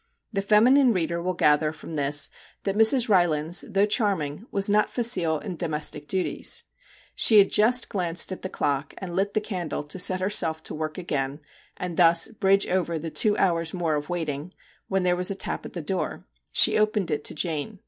The feminine reader will gather from this that Mrs. Rylands, though charming, was not facile in domestic duties. She had just glanced at the clock, and lit the candle to set herself to work again, and thus bridge over the two hours more of waiting, when there came a tap at the door. She opened it to Jane.